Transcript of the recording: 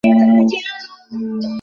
বসে আরাম করো।